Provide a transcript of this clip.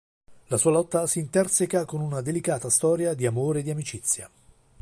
La sua lotta si interseca con una delicata storia di amore e amicizia.